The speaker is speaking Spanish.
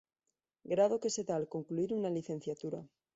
Grado que se da al concluir una licenciatura.